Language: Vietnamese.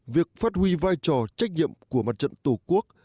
việc phát huy vai trò trách nhiệm của mặt trận tổ quốc